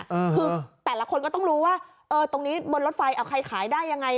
คือแต่ละคนก็ต้องรู้ว่าเออตรงนี้บนรถไฟเอาใครขายได้ยังไง